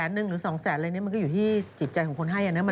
หนึ่งหรือสองแสนอะไรเนี้ยมันก็อยู่ที่จิตใจของคนให้อ่ะเนี้ยมัน